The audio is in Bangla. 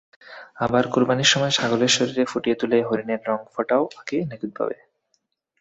আবার, কোরবানির সময় ছাগলের শরীরে ফুটিয়ে তোলে হরিণের রং-ফোঁটাও আঁকে নিখুঁতভাবে।